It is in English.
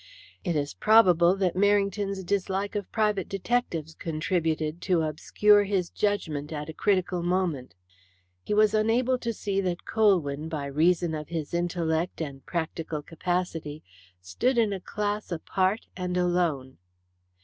It is probable that Merrington's dislike of private detectives contributed to obscure his judgment at a critical moment. He was unable to see that Colwyn, by reason of his intellect and practical capacity, stood in a class apart and alone.